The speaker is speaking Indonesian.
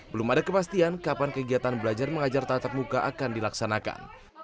belum ada kepastian kapan kegiatan belajar mengajar tatap muka akan dilaksanakan